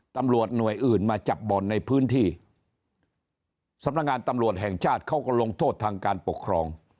ตำรวจหน่วยอื่นมาจับบ่อนในพื้นที่สำนักงานตำรวจแห่งชาติเขาก็ลงโทษทางการปกครอง